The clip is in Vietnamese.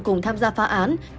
cùng tham gia phá án